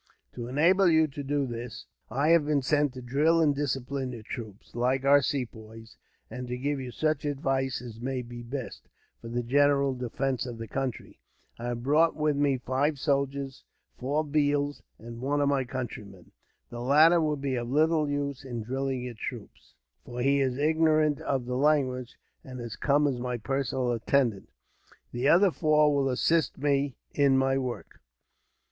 "To enable you to do this, I have been sent to drill and discipline your troops, like our Sepoys; and to give you such advice as may be best, for the general defence of your country. I have brought with me five soldiers; four Bheels, and one of my countrymen. The latter will be of little use in drilling your troops, for he is ignorant of the language, and has come as my personal attendant. The other four will assist me in my work.